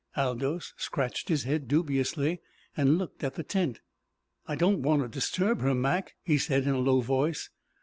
Aldous scratched his head dubiously, and looked at the tent. "I don't want to disturb her, Mac," he said in a low voice.